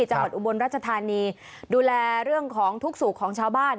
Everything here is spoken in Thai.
จังหวัดอุบลรัชธานีดูแลเรื่องของทุกข์สูงของชาวบ้าน